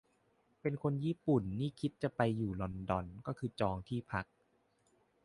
เป็นคนญี่ปุ่นนี่คิดจะไปอยู่ลอนดอนก็คือจองที่พัก